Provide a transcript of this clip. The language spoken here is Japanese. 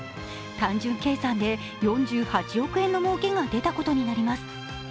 単純計算で４８億円のもうけが出たことになります。